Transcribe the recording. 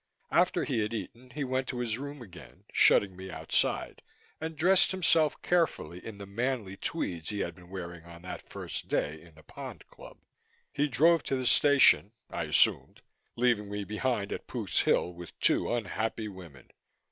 After he had eaten, he went to his room again, shutting me outside, and dressed himself carefully in the manly tweeds he had been wearing on that first day in the Pond Club. He drove to the station I assumed leaving me behind at Pook's Hill with two unhappy women.